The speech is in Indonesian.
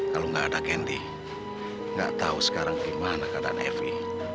kalau tidak ada candy tidak tahu sekarang bagaimana keadaan evi